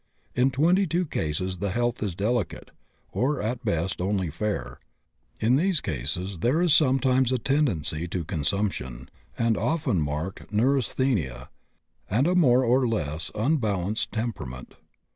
In 22 cases the health is delicate, or at best only fair; in these cases there is sometimes a tendency to consumption, and often marked neurasthenia and a more or less unbalanced temperament.